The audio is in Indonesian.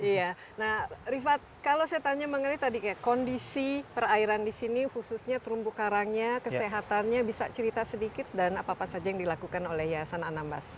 iya nah rifat kalau saya tanya mengenai tadi kondisi perairan di sini khususnya terumbu karangnya kesehatannya bisa cerita sedikit dan apa apa saja yang dilakukan oleh yayasan anambas